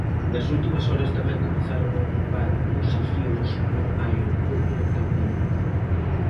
Nas últimas horas tamén comezaron a ocupar posicións no aeroporto de Cabul.